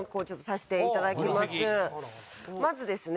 まずですね。